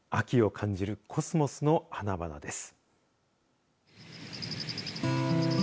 秋を感じるコスモスの花々です。